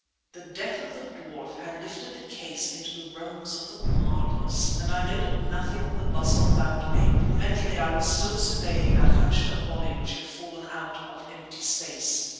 The death of the dwarf had lifted the case into the realms of the marvellous, and I noted nothing of the bustle about me, for mentally I was still surveying that hunched up body which had fallen out of empty space.